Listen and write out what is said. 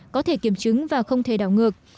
có thể kiểm chứng và không thể đảo ngược